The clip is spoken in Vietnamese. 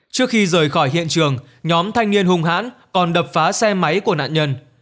trước khi rời khỏi hiện trường nhóm thanh niên hung hãn còn đập phá xe máy của nạn nhân